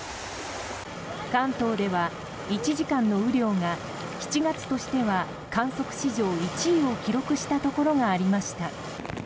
関東では１時間の雨量が７月としては観測史上１位を記録したところがありました。